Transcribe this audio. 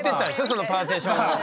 そのパーティションを。